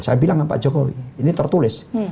saya bilang sama pak jokowi ini tertulis